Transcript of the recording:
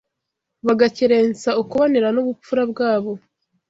bagakerensa ukubonera n’ubupfura bwabo